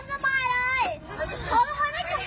แต่ป้านทะเลาะกับเขาเอง